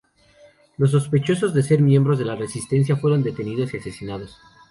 Los sospechosos de ser miembros de la resistencia fueron detenidos y asesinados.